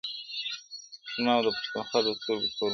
زما او د پښتونخوا د سترګو تور منظور-